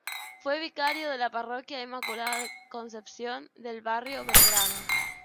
Fue vicario en la parroquia Inmaculada Concepción, del barrio de Belgrano.